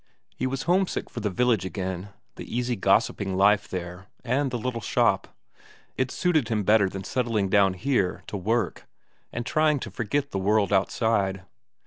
He was home sick for the village again, the easy gossiping life there, and the little shop it suited him better than settling down here to work, and trying to forget the world outside.